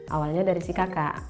awalnya dari si kakak